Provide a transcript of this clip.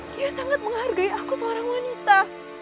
dia sangat menghargai aku seorang wanita